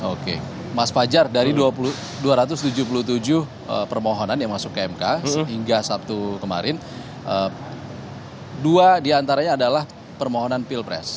oke mas fajar dari dua ratus tujuh puluh tujuh permohonan yang masuk ke mk sehingga sabtu kemarin dua diantaranya adalah permohonan pilpres